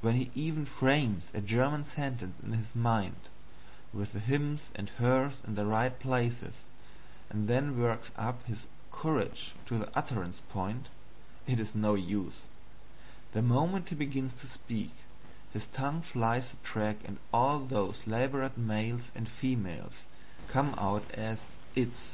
When he even frames a German sentence in his mind, with the hims and hers in the right places, and then works up his courage to the utterance point, it is no use the moment he begins to speak his tongue flies the track and all those labored males and females come out as "its."